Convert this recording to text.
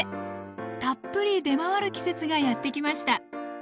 たっぷり出回る季節がやって来ました。